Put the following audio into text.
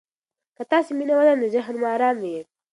که تاسي مینه ولرئ، نو ذهن مو ارام وي.